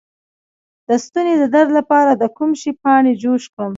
د ستوني د درد لپاره د کوم شي پاڼې جوش کړم؟